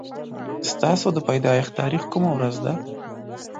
ستاسو د پيدايښت تاريخ کومه ورځ ده